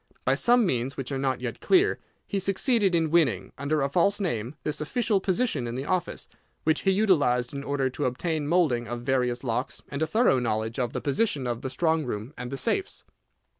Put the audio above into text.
By some means, which are not yet clear, he succeeded in winning, under a false name, this official position in the office, which he utilised in order to obtain moulding of various locks, and a thorough knowledge of the position of the strong room and the safes.